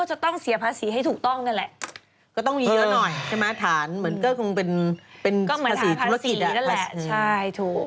เป็นภาษีธุรกิจละภาษีก็เหมือนภาษีแล้วแหละใช่ถูก